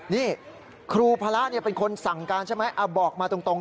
นี่ครูพระเป็นคนสั่งการใช่ไหมบอกมาตรง